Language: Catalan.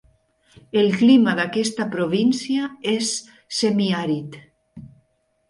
El clima d'aquesta província és semiàrid.